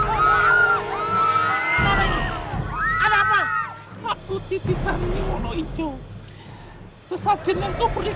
ijo penunggu desa karoban kami warga desa mengantarkan sesaji sebagai tanda terima kasih